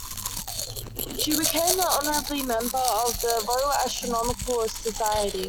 She became an honorary member of the Royal Astronomical Society.